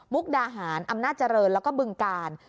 ดาหารอำนาจเจริญแล้วก็บึงกาล